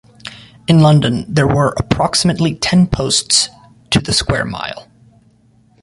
In London there were approximately ten posts to the square mile.